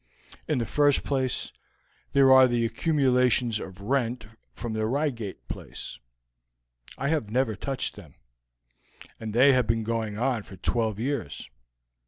In the first place, there are the accumulations of rent from the Reigate place. I have never touched them, and they have been going on for twelve years.